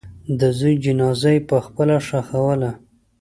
د زوی جنازه یې پخپله ښخوله.